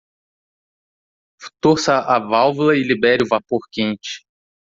Torça a válvula e libere o vapor quente.